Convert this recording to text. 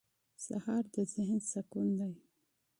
سهار د ذهن سکون دی.